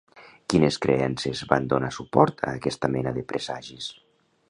Quines creences van donar suport a aquesta mena de presagis?